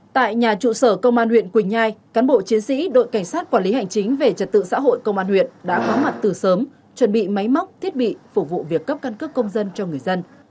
tại nhà trụ sở công an huyện quỳnh nhai cán bộ chiến sĩ đội cảnh sát quản lý hành chính về trật tự xã hội công an huyện đã có mặt từ sớm chuẩn bị máy móc thiết bị phục vụ việc cấp căn cước công dân cho người dân